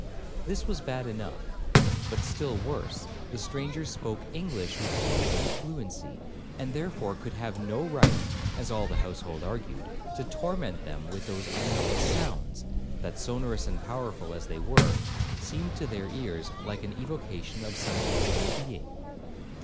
This was bad enough; but, still worse, the stranger spoke English with ease and fluency, and therefore could have no right, as all the household argued, to torment them with those unknown sounds, that, sonorous and powerful as they were, seemed to their ears like an evocation of some invisible being.